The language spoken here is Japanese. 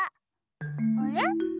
あれ？